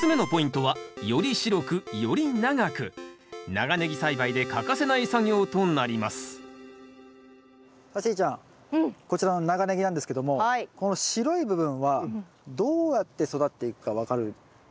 長ネギ栽培で欠かせない作業となりますさあしーちゃんこちらの長ネギなんですけどもこの白い部分はどうやって育てていくか分かる感じですか？